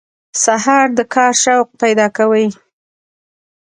سهار د کار شوق پیدا کوي.